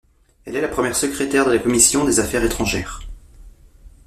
Elle est première secrétaire de la commission des affaires étrangères.